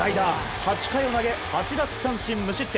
８回を投げ８奪三振無失点。